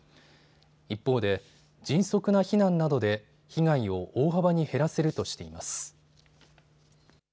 一方で迅速な避難などで被害を大幅に減らせるとしています。